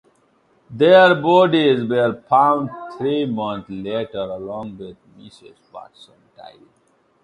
Their bodies were found three months later along with Mrs Watson's diary.